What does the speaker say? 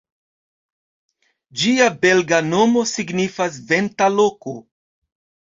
Ĝia belga nomo signifas: "venta loko".